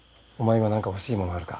今何か欲しい物あるか？